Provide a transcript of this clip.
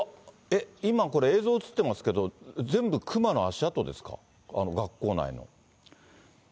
今、これ、映像映ってますけど、全部、熊の足跡ですか、学校内の。